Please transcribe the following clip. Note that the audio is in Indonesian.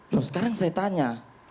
lho sekarang saya tanya